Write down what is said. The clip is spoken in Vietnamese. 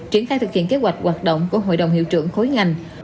triển khai thực hiện kế hoạch hoạt động của hội đồng hiệu trưởng khối ngành